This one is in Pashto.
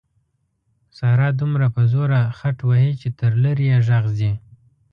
ساره دومره په زوره خټ وهي چې تر لرې یې غږ ځي.